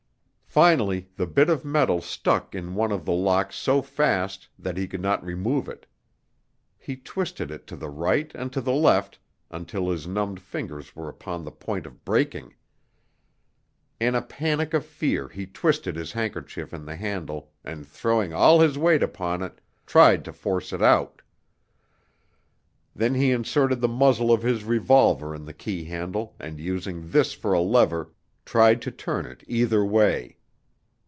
Finally the bit of metal stuck in one of the locks so fast that he could not remove it. He twisted it to the right and to the left until his numbed fingers were upon the point of breaking. In a panic of fear he twisted his handkerchief in the handle and throwing all his weight upon it tried to force it out. Then he inserted the muzzle of his revolver in the key handle and using this for a lever tried to turn it either way.